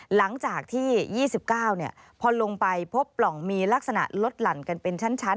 หลังจากที่๒๙พอลงไปพบปล่องมีลักษณะลดหลั่นกันเป็นชั้น